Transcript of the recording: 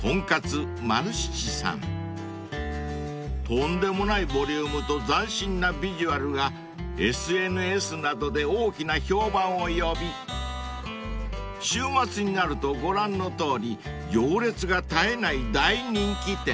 ［とんでもないボリュームと斬新なビジュアルがＳＮＳなどで大きな評判を呼び週末になるとご覧のとおり行列が絶えない大人気店］